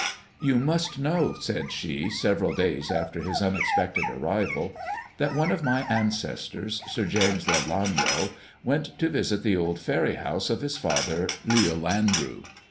You must know/' said she, several days after his unexpected arrival, " that one of my ancestors. Sir James Lelanro, went to visit the old ferry house of his father, Leal Andrew.